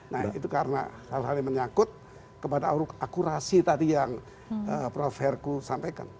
nah itu karena hal hal yang menyakut kepada akurasi tadi yang prof herku sampaikan